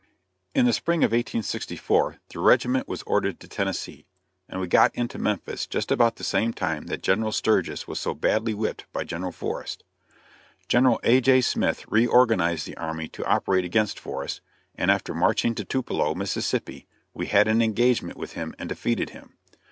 In the spring of 1864 the regiment was ordered to Tennessee, and we got into Memphis just about the time that General Sturgis was so badly whipped by General Forrest. General A. J. Smith re organized the army to operate against Forrest, and after marching to Tupalo, Mississippi, we had an engagement with him and defeated him.